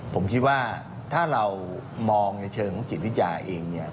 ผมคิดว่าถ้าเรามองในเชิงจิตวิจารณ์เองเนี่ย